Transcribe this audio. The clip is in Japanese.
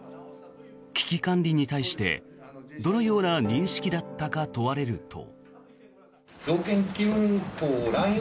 危機管理に対してどのような認識だったか問われると。